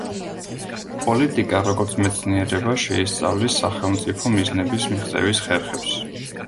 პოლიტიკა, როგორც მეცნიერება შეისწავლის სახელმწიფო მიზნების მიღწევის ხერხებს.